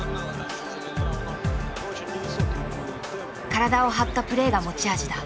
体を張ったプレーが持ち味だ。